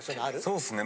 そうっすね。